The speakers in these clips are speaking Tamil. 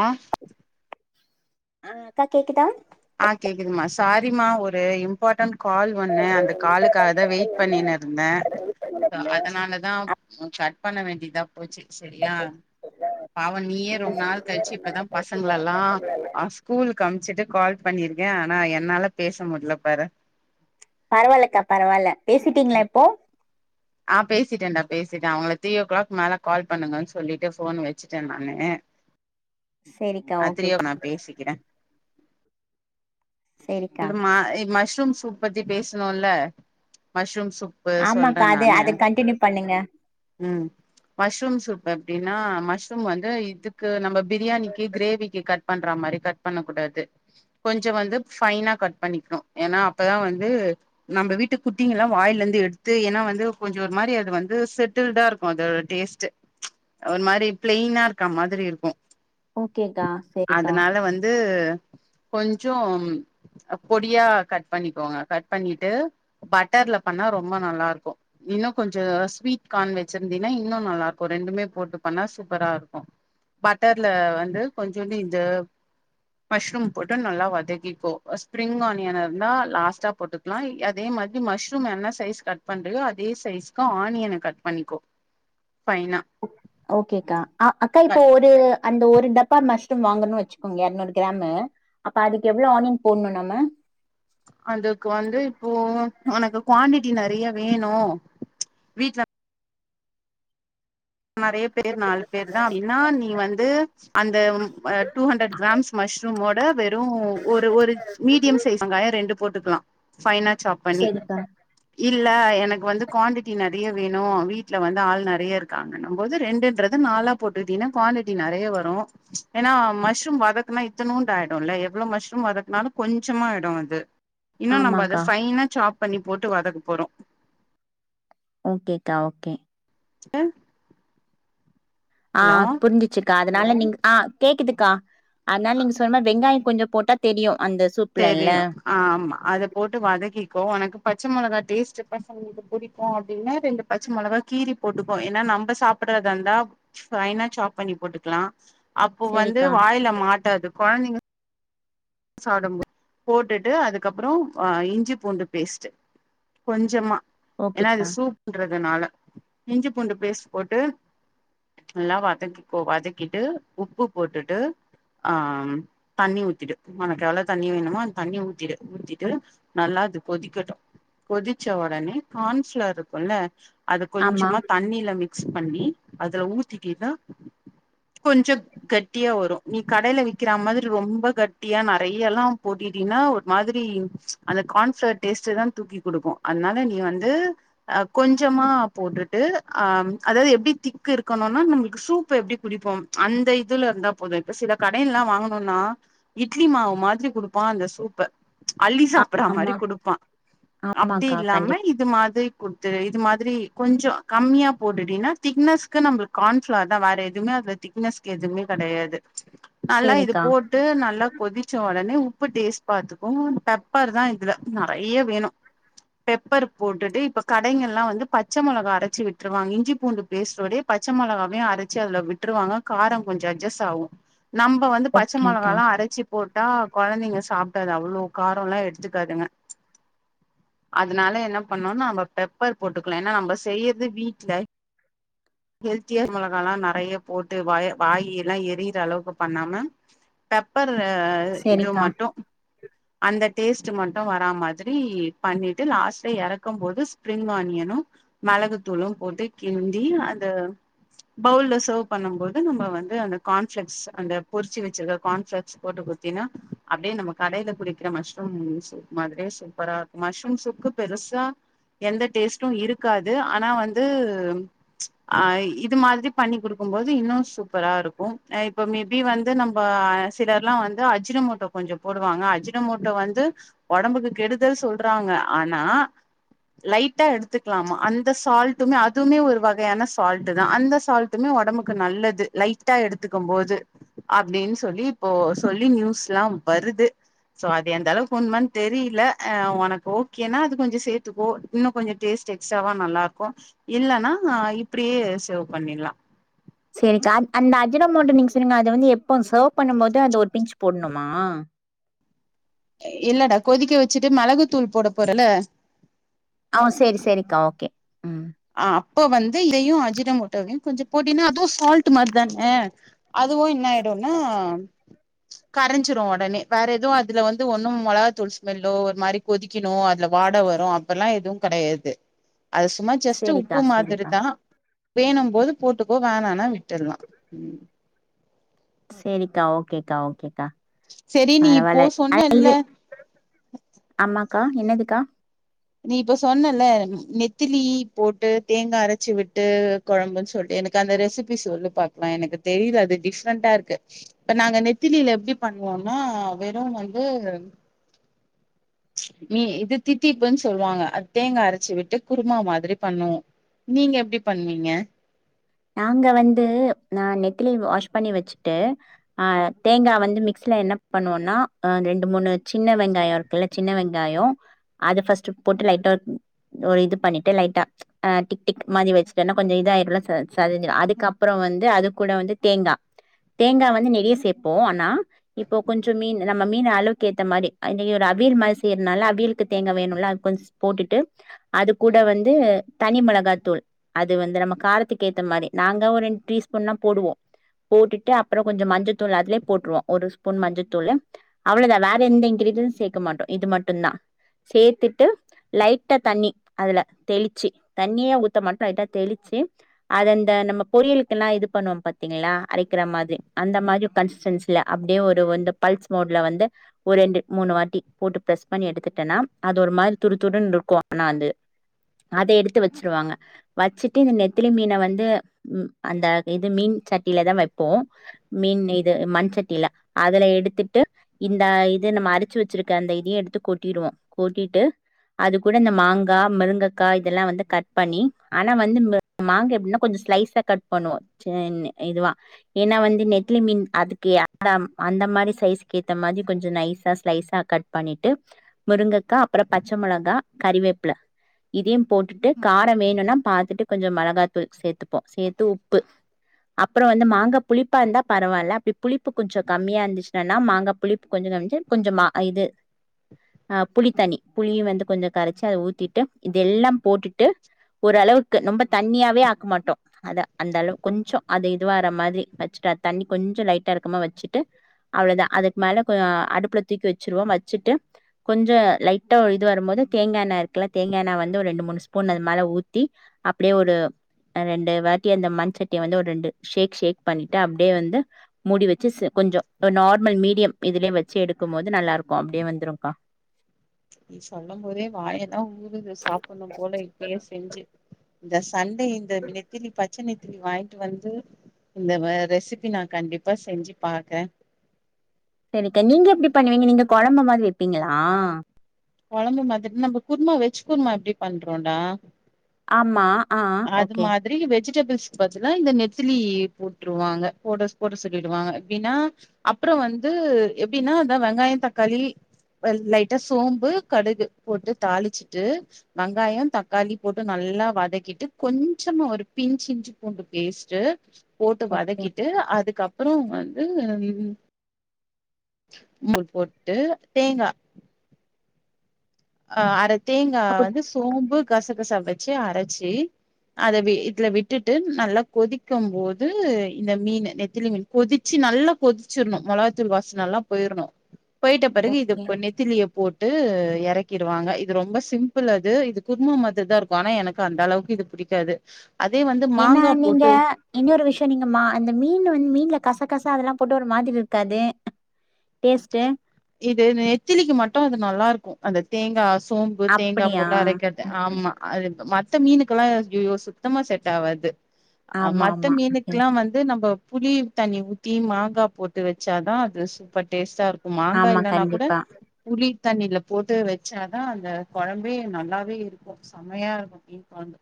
ஆ ஆ அக்கா கேக்குதா ஆ கேக்குதுமா சாரிமா ஒரு இம்பார்ட்டன்ட் கால் ஒன்னு அந்த காலுக்காக தா வெயிட் பண்ணினுருந்தே அதனாலதான கட் பண்ண வேண்ட் இதா போச்சு சரியா பாவ நீயே ரொம்ப் நாள் கழிச்சு இப்பதான் பசங்களல்லா ஆ ஸ்கூல்கு அமிச்சிட்டு கால் பண்ணிருக்கே ஆனா என்னால பேச முடில பாரு பரவால்லக்கா பரவால்ல பேசிட்டீங்களா இப்போ ஆ பேசிட்டேன்டா பேசிட்டே அவுங்கள த்ரீ ஓ கிளாக் மேல கால் பண்ணுங்கன்னு சொல்லிட்டு ஃபோன் வச்சிட்டே நானு சேரிக்கா அது ஓகே த்ரியோக் நா பேசிக்கிறே சேரிக்கா இடுமா இ மஷ் ரூம் சூப் பத்தி பேசணூல்ல மஷ்ரூம் சூப்பு சொல் அ ஆமாக்கா அது நானே அது கண்டினியூ பண்ணுங்க ம் மஷ்ரூம் சூப் எப்டி ஏனா மஷ்ரூம் வந்து இதுக்கு நம்ம பிரியாணிக்கு கிரேவிக்கு கட் பண்ற மாரி கட் பண்ண கூடாது கொஞ்சம் வந்து ஃபைன கட் பண்ணிகணு அப்போதா வந்து நம்ப வீட்டு குட்டிங்களா வாய்ல இருந்து எடுத்து என்ன வந் வந்து கொஞ்சோ ஒரு மாரி அது வந்து செட்டில்டா இருக்கூ அது டேஸ்ட் ஒரு மாரி பிளைனா இருக்கா மாதிரி இருக்கூ ஓகேக்கா சேரிக்கா அதனால வந்து கொஞ்சோ பொடியா கட் பண்ணிக்கோங்க கட் பண்ணிட்டுபட்டர்ல பண்ணா ரொம்ப நல்லா இருக்கூ இன்னும் கொஞ்ச ஸ்வீட் கான் வச்சிருந்தீன்னா இன்னு நல்லா இருக்கூ ரெண்டுமே போட்டு பண்ணுனா சூப்பரா இருக்கூ பட்டர்ல வந்து கொஞ்சோண்டு இது மஷ்ரூம் போட்டு நல்ல வதக்கிக்கோ ஸ்பிரிங் ஆனியன லாஸ்ட்டா போட்டுக்கலா அதே மாதி மஷ்ரூம என்ன சைஸ் கட் பண் அதே சைஸ்க்கு ஆனியன கட் பண்ணிக்கோ பைனா ஓகேகா அக்கா இப்போ ஒரு அந்த ஒரு டப்பா மஸ்ரூம் வாங்கணும்னு வச்சுக்கோங்க இரநூறு கிராமு அப்ப அதுக்கு எவ்வளவு ஆனியன் போட்ணு நம்ம அதுக்கு வந்து இப்போ உனக்கு குவாண்ட்டி கீ நெறைய வேணு வீட்ல நெறைய பேர் நாலு பேர் தான் அப்டின்னா நீ வந்து அந்த டூ ஹண்ரடு கிராம்ஸ் மஷ்ரூம் ஓ [unintelligible] வெறும் ஒரு ஒரு மீடியம் சைஸ் வெங்காயம் ரெண்டு போட்டுக்கலாம் ஃபைனா சாப் பண்ணி சேரிக்கா ஹீட் இல்ல எனக்கு வந்து குவாண்டிட்டி நெறைய வேணு வீட்ல வந்து ஆள் நெறைய இருக்கு இருக்குகாங்கன போது ரெண்டுன்றது நாலா போட்டுக்கிட்டீன்னா குவாண்டிட்டி நெறைய வரு ஏன்னா மஷ்ரூம் வதக்குனா இத்தணூண்டு ஆயிடும்ல எவ்வளவு மஷ்ரூம் வதக்குனாலும் கொஞ்சமா ஆயிடும் அது இன்னு நம்ம அத ஆமாக்கா ஃபைனா சாப் பண்ணி போட்டு வதக்க போறோ ஓகேக்கா ஓகே ஆ ஆ புரிஞ்சிச்சிக்கா அதனால நீங்க ஆ கேக்குதுக்கா அதனால நீங்க சொன்ன வெங்காய கொஞ்சோ போட்டா தெரியு அந்த சூப்லல்ல தெரியு ஆமா அத போட்டு வதக்கிக்கோ உனக்கு பச்ச மொளகா டேஸ்ட் பசங்களுக்கு புடிக்கூ அப்டின்னா ரெண்டு பச்சை மொளகா கீறி போட்டுக்கோ ஏன்னா நம்ம சாப்பிடுறதா இருந்தா ஃபைனா சாப் பண்ணி போட்டுக்கலா அப்போ வந்து சேரிக்கா வாயில மாட்டாது கொழந்தைங்க சாப்படு போது போட்டுட்டு அதுக்கப்பறோ இஞ்சி பூண்டு பேஸ்ட் கொஞ்சமா ஏன்னா அது ஓகேக்கா சூப்புன்றனால இஞ்சி பூண்டு பேஸ்ட் போட்டு நல்லா வதக்கிகோ வதக்கிட்டு உப்பு போட்டுட்டு ஆ தண்ணி ஊத்திடு உனக்கு எவ்வளவு தண்ணி வேணுமோ அது தண்ணி ஊத்திட்டு ஊத்திட்டு நல்லா அது கொதிக்கட்டும் கொதிச்ச உடனே கார்ன்ஃபளர் இருக்கும்ல்ல அது ஆமா கொஞ்சமா தண்ணில ம மிக்ஸ் பண்ணி அதுல ஊத்திட்டன தான் கொஞ்சோ கட்டியா வரு நீ கடைல விக்கிற மாரி ரொம்ப கட்டிய யா நெறையலா போட்டிட்டீன்னா ஒரு மாரி அந்த கார்ன்ஃப்ளவர் டேஸ்ட்தான் தூக்கி கொடுக்கூ அதனால நீ வந்து அஹ் கொஞ்சமா போட்டுட்டு அஹ் அதாவது எப்படி திக்கு இருக்கணும்னா நம்பளுக்கு சூப் எப்டி குடிப்போ அந்த இதுல இருந்தா போது இப்ப சில கடை எல்லாம் வாங்கணும்னா இட்லி மாவு மாரி குடுப்பான் அந்த சூப்ப அள்ளி ஆ சாப்டுற மாரி ஆமா குடுப்பான் அப்டி ஆமாக்கா இல்லாம கண்டிப் இது மாதிரி குடுத்து இது மாதிரி கொஞ்சம் கம்மியாக போடுட்டின்னா திக்னஸ்க்கு நம்மளுக்கு கார்ன்ஃப்ளவர் தான் வேற எதுவுே அதில திக்னஸ்கு எதுவுமே கிடையாது நல்லா இது சேரிக்கா போட்டு நல்லா குடிச்ச உடனே உப்பு டேஸ்ட் பாத்தக்கும் பெப்பர் தான் இதுல நிறைய வேணும் பெப்பர் போட்டுட்டு இப்ப கடைகள் எல்லாம் வந்து பச்சை மிளகா அரைச்சி விட்டுருவாங்க இஞ்சி பூண்டு பேஸ்டோடே பச்சை மிளகாவே அரைச்சு அதுல விட்டுருவாங்க காரம் கொஞ்சம் அட்ஜஸ்ட் ஆகும் நம்ம வந்து பச்சை ஓகேக்கா மிளகால்லாம் அரைச் போட்டா குழந்தைங்க சாப்பிடாது அவ்வளோ காரம் எல்லா எடுத்துக்காதுங்க அதனால என்ன பண்ணோனா நம்ம பெப்பர் போட்டுக்கலாம் ஏன்னா நம்ம செய்யறது வீட்டுல ஹெ்ல்த்தியர் மிளகால்லா நிறைய போட்டு வாய எல்லா எரியிகிற அளவுக்கு பண்ணாம ல்ல இது சேரிக்கா மட்டு அந்த டேஸ்ட் மட்டும் வரா மாதிரி பண்ணிட்டு லாஸ்ட்ல இறக்கும் போது. ஸ்ப்ரிங் ஆனியனும் மிளகுத்தூளும் போட்டு கிந்தி அந்த பவுல்ல சர்வ் பண்ணும் போது நம்ம வந்து அந்த கான்ஃபிளெக்ஸ் அந்த பொரிச்சு வச்சிருக்க கான்ஃபிளெக்ஸ் போட்டு குத்தீனா அப்படியே நம்ம கடையில குடிக்கிற மஷ்ரூம் சூப் மாதிரியே சூப்பரா இருக்கும் மஷ்ரூம் சூப்பு பெருசா எந்த டேஸ்ட்டும் இருக்காது ஆனா வந்து அஹ் இது மாதிரி பண்ணி குடுக்கும் போது இன்னும் சூப்பரா இருக்கும் இப்ப மேபி வந்து நம்ம சிலர்லாம் வந்து அஜினோமோட்டோ கொஞ்ச போடுவாங்க அஜினோமோட்டோ வந்து உடம்புக்கு கெடுதல் சொல்றாங்க ஆனா லைட்டா எடுத்துக்கலாமா அந்த சால்ட்டுமே அதுமே ஒரு வகையான சால்ட் தான் அந்த சால்ட்டுமே உடம்புக்கு நல்லது லைட்டா எடுத்துக்கு போது அப்படின்னு சொல்லி இப்போ சொல்லி நியூஸ்லாம் வருது சோ அது எந்த அளவுக்கு உண்மன்னு தெரில உனக்கு ஓகேன்னா அது கொஞ்ச சேர்த்துக்கோ இன்னும் கொஞ்சம் டேஸ்ட் எக்ஸ்ட்ராவா நல்லா இருக்கு இல்ன்னா இப்படியே சேவ் பண்ணிடலா சரிக்கா அந்த அஜினோமோட்டோ நீங்க சொன்னீங்க அது வந்து எப்போ சர்வ் பண்ணும் போது அந்த ஒரு பிஞ்சு போடணுமா இல்லடா கொதிக்க வச்சுட்டு மிளகு தூள் போட போறல ஆஹ் சரி சரிக்கா ஓகே ம் இப்ப வந்து இதையும் அஜினோமோட்டோ வையும் கொஞ்ச போட்டீனா அதுவும் சால்ட் மாதிரி தானே அதுவும் என்ன ஆயிடும்னா கரைஞ்சிடும் உடனே வேற எதவும் அதுல வந்து ஒண்ணும் மிளகா தூள் ஸ்மெல்லோ ஒரு மாதிரி கொதிக்கணும் அதுல வாடை வரும் அப்பல்லாம் எதுவும் கிடையாது அது சும்மா சேரிக்கா உப்பு மாதிரி சேரிக்கா தான் வேணும் போது போட்டுக்கோ வேனானா விட்டுடலாம் உம் சரிக்கா ஓகேக்கா ஓகேக்கா சரி நீ இப்போ பரவால்ல அ சொன்னல்ல க்கா என்னதுக்கா நீ இப்ப சொன்னல நெத்திலி போட்டு தேங்காய் அரைச்சு விட்டு குழம்புன்னு சொல்லி எனக்கு அந்த ரெசிபி சொல்லு பாக்கலாம் எனக்கு தெரியல அது டிஃப்ரெண்டண்டா இருக்கு இப்ப நாங்க நெத்திலியில எப்படி பண்ணுவோம்னா வெறும் வந்து நீ இது தித்திப்புன் சொல்லுவாங்க அ தேங்கா அரைச்சு விட்டு குருமா மாதிரி பண்ணுவோம் நீங்க எப்படி பண்ணுவீங்க நாங்க வந்துஹ் நெத்திலி வாஷ் பண்ணி வச்சுட்டு ஆஹ் தேங்காய் வந்து மிக்ஸல என்ன பண்ணுவோம்னா ரெண்டு மூணு சின்ன வெங்காயம் இருக்குல்ல சின்ன வெங்காயம் அது ஃபர்ஸ்ட்ட் போட்டு லைட்டா ஒரு இது பண்ணிட்டு லைட்டாஹ் டிக் டிக் மாதி வச்சுட்டுன்னா கொஞ்சம் இத ஆயிருல ச அதுக்கப்புறம் வந்து அது கூட வந்து தேங்காய் தேங்காய் வந்து நிறைய சேப்போம் ஆனா இப்போ கொஞ்ச மீன் மீன் அளவுக்கு ஏத்த மாதிரி நீங்க அவியல் மாதிரி செய்யறனால அவியுக்கு தேங்கா வேணுல போட்டுட்டு அது கூட வந்து தனி மிளகா தூள் அது வந்து நம்ம காரத்துக் ஏத்த மாதிரி நாங்க ஒரு ரெண்டு டீ ஸ்பூன்லா போடுவோம் போட்டுட்டு அப்புறம் கொஞ்சம் மஞ்சத்தூள் அதுலயே போட்டுவோம் ஒரு ஸ்பூன் மஞ்சத்தூள் அவ்வளவுதான் வேற எந்த இன்கிரீடியன்ஸும் சேர்க்க மாட்டோம் இது மட்டுந்தான் சேர்த்துட்டு லைட்டா தண்ணி அதுல தெளிச்சு தண்ணியே ஊத்த மாட்டோம் லைட்டா தெளிச்சு அந்த நம்ம பொரியலுக்க எல்லாம் இது பண்ணுவோம் பாத்தீங்களா அரைக்கிற மாதிரி அந்த மாதிரி கன்சிஸ்டன்சில அப்படியே ஒரு வ பல்ஸ் மோட்ல வந்து ஒரு ரெண்டு மூணு வாட்டி போட்டு ப்ரஸ் பண்ணி எடுத்துட்டேன்னா அது ஒரு மாதிரி துடு துடுன்னு இருக்கும் ஆனா அத எடுத்து வச்சிருவாங்க வச்சுட்டு இந்த நெத்திலி மீன் வந்து அந்த இது மீன் சட்டியில தான் வைப்போம் மீன் இது மண் சட்டியில அதுல எடுத்துட்டு இந்த இது நம்ம அரிச்சு வச்சிருக்க அந்த இத எடுத்து கொட்டிடுவோம் கொட்டிட்டு அது கூட இந்த மாங்காய் மிருங்கக்காய் இதெல்லாம் வந்து கட் பண்ணி ஆனா வந்து மாங்கா இன்னு கொஞ்ச ஸ்லைஸா கட் பண்ணுவ இதுவ ஏன்னா வந்து நெத்லி மீன் அதுக்கு அந்த மாதிரி சைஸ்க்கு ஏத்த மாதிரி கொஞ்ச நைசா ஸ்லைஸா கட் பண்ணிட்டு முருங்கைக்காய் அப்புறம் பச்சை மிளகா் கறிவேப்பில இதையும் போட்டுட்டு காரம் வேணும்னா பாத்துட்டு கொஞ்ச மிளகா சேர்த்துப்போம் சேர்த்து உப்பு அப்புறம் வந்து மாங்காய் புளிப்பா இருந்தா பரவாயில்ல அப்படி புளிப்பு கொஞ்ச கம்மியா இருந்துச்சுனன்னா மாங்காய் புளிப்பு கொஞ்ச கு கொஞ்ச இதுஹ் புளித்தண்ணி புளியும் வந்து கொஞ்ச கரைச்சி அதை ஊத்திட்டு இது எல்லா போட்டுட்டு ஓரளவுக்கு ரொம்ப தண்ணியா வே ஆக்க மாட்டோம் அத அந்த அளவு கொஞ்ச அது இதுவரற மாதிரி வச்சுட்டு அ தண்ணி கொஞ்சம் லைட்டா இருக்காம வச்சுட்டு அவ்வளவுதான் அதுக்கு மேல அடுப்புல தூக்கி வச்சிருவோம் வச்சுட்டு கொஞ்ச லைட்டா இது வரும் போது தேங்காய்ண்ணா இருக்கல தேங்காய் எண்ணா வந்து ஒரு ரெண்டு மூணு ஸ்பூன் அது மேல ஊத்தி அப்படியே ஒரு ரெண்டு வாட்டி அந்த மண்்சட்டியை வந்து ஒரு ரெண்டு ஷேக் ஷேக் பண்ணிட்டு அப்படியே வந்து மூடி வச்சு கொஞ்ச ஒரு நார்மல் மீடியம் இதுலயு வச்சு எடுக்கு போது நல்லா இருக்கு அப்படியே வெந்துரும்கா நீ சொல்லம் போதே வாயல்லான் ஊருது சாப்படணும் போல இப்பயே செஞ்சு ஜஸ் சண்டே இந்த நெத்திலி பச்ச நெத் திலி வாங்கிட்டு வந்து இந்த வ ரெசிபி நான் கண்டிப்பா செஞ்சு பாக்கன் சரிக்கா நீங்க எப்டி பண்ணுவீங்க நீங்க கொழம்பு மாரி வைப்பீங்களா கொழம்பு மாதிரி நம்ம குர்மா வெஜ் குருமா எப்டி பண்றோம்டா ஆமா ஆ அது ஓகே மாதிரி வெ ஜிடபிள்ஸ்கு பதிலா இந்த நெத்திலி போட்ருவாங்க போடஸ் போட சொல்லிடுவாங்க எப்டின்னா அப்புறொ வந்து எப்டின்னா அதா வெங்காய தக்காளி அ லைட்டா சோம்பு கடுகு போட்டு தாளிச்சு கொஞ்சமா ஒரு பிஞ்சி இஞ்சி பூண்டு பேஸ்ட்டு போட்டு ஓகே வதக்கிட்டு அதுக்கப் புறோ வந்து மல் போட்டு தேங்கா ஆஹ் அரச் தேங்கா அப்ப வந்து சோம்பு கச கச வெச்சு அரச்சு அத வி இதுல விட்டுட்டு நல்லா கொதிக்கும் போது இந்த மீனு நெத்திலி மீன் கொதிச்சு நல்லா கொதிச்சிர்ணு மொளகத்தூள் வாசனல்லா போயிர்ணு போய்ட்ட பெறகு இதுப் ஓகே பு நெத்திலிய போட்டு எறக் கிருவாங்க இது ரொம்ப சிம்பிள் அது இது குருமா மாதிரி தா இருக்கு ஆனா எனக்கு அந்த அளவுக்கு இது பிடிக்காது ஏன்னா நீங்க இன்னொரு விஷியொ நீங்க மா அந்த மீன் வந் மீன்ல கசா கசா அதெல்லா போட்டு ஒரு மாதிரி இருக்காது டேஸ்ட்டு இது நெத்திலிக்கு மட்டு அது நல்லா இருக்கு அந்த தேங்காச் சோம்பு தேங்கா அப்படியா போட்டு அரக்குறது ஆமா அது மாத் மத்த மீனுக்கெல்லா ஐயயோ சுத்தமா செட்டாவாது அ ஆமா மத்த ஆமா ஓகே மீனுக்குலா வந்து நம்ப புளி தண்ணி ஊத்தி மாங்கா போட்டு வச்சாதா அது சூப்பர் டேஸ்ட்டா இருக்கு மாங்கா ஆமா இல்லன்னா கூட கண்டிப்பா புளி தண்ணில போட்டு வச்சாதா அந்த கொழம்பே நல்லாவே இருக்கு செமயா இருக்கும்பாங்க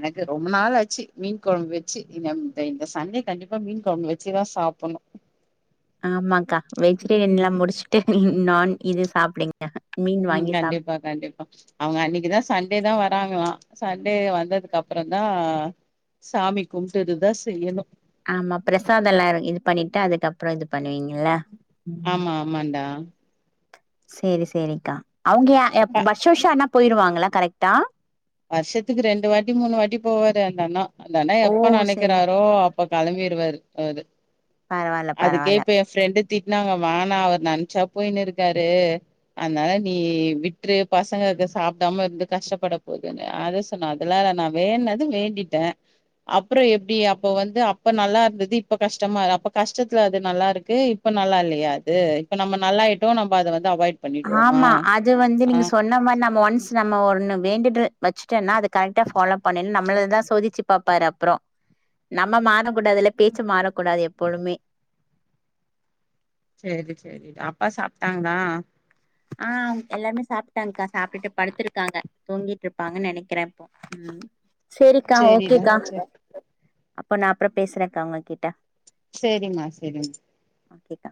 எனக்கு ரொம்ப நாளாச்சு மீன் கொழம்பு வெச்சு இந்தம் இந்த இந்த சண்டே கண்டிப்பா மீன் கொழம்பு வச்சுதா சாப்பணு ஆமாக்கா வெஜிடேரியன் லா முடிச்ட்டு நான் இது சாப்பிடுங் உம் கண்டிப்பா கண்டிப்பா அவங்க அன்னைக்குதா சண்டே தா வர் ராங்கலா சண்டே வந்ததுக்கு அப்புறன் தா சாமி கும்டுட்டுதா செய்யணு ஆமா பிரசாதொலா எல்லாரு இது பண்ணிட்டு அதுக்கப்புறோ இது பண்ணுவீங்க ஆமா ஆமாடா செரி செரிக்கா அவங்க யா அப்ப எப் வர்ஷ வர்ஷ ஆனாப் போயிருவாங்களா கரக்ட்டா வர்ஷத்துக்கு ரெண்டு வாட்டி மூணு வாட்டி போவாரு அந்தண்ணா அந்தண்ணே ஓ எப்ப சேரி நனைக்கிறாரோ அப் போ களம்பிறுவாரு அவரு பரவால்ல அதுக்கே பரவால்ல இப்ப எ ஃப்ரெண்டு திட்னாங்க வேனா அவர் நன்ச்சா போய்னு இருக்காரு அனால நீ விட்ரு பசங்கக சாப்டாம இருந்து கஷ்டப்படப் போகுது அதா சொன்ன அதெல்லால நா வேண்னது வேண்டிட்ட அப்புறு எப்டி அப்போ வந்து அப்ப நல்லா இருந்தது இப்போ கஷ்டமா அப்போ கஷ்டத்துல அது நல்லா இருக்கு இப்ப நல்லா இல்லையா அது இப்ப நம்ம நல்லாய்ட்டோ நம்ப அத வந்து அவாய்ட் பண்ணிடுவோமா ஆமா அது வந்து ஆ நீங்க சொன்ன மாரி நம்ம ஒன்ஸ் நம்ம ஒண்ணு வேண்டிட்டு வச்சுட்டேன்னா அது கரக்ட்டா ஃபாலோ பண்ணனு நம்மளது தா சோதிச்சு பாப்பாரு அப்பறோ நம்ம மாறக்கூடாதுல்ல பேச்சு மாறக்கூடாது எப்போழுமே சேரிங்க செரிங் அப்பா சாப்ட்டாங்ளா ஆஹ் எல்லார்மே சாப்ட்டாங்க்கா சாப்டுட்டு படுத்திருக்காங்க தூங்கிட்ருப்பாங்கன் நெனைக்கிறே உம் செரிக்கா சேரிடா ஓகேக்கா சேரி அப்போ நா அப்றோ பேசுறேக்ங்கா ஒங்க கிட்ட சேரிம்மா செரிம் கேக்கா